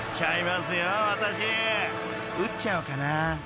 ［打っちゃおうかな］